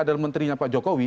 dan menterinya pak jokowi